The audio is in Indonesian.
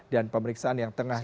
dan pemeriksaan yang tengah